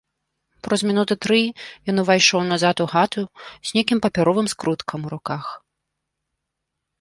Праз мінуты тры ён увайшоў назад у хату з нейкім папяровым скруткам у руках.